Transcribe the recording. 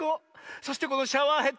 そしてこのシャワーヘッド。